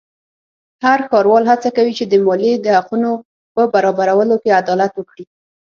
هر ښاروال هڅه کوي چې د مالیې د حقونو په برابرولو کې عدالت وکړي.